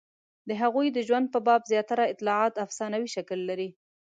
د هغوی د ژوند په باب زیاتره اطلاعات افسانوي شکل لري.